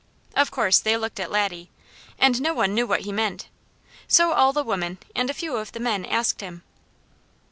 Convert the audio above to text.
Of course they looked at Laddie, and no one knew what he meant, so all the women and a few of the men asked him.